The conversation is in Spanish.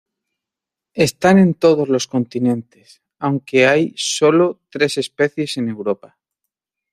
Están en todos los continentes, aunque hay solo tres especies en Europa.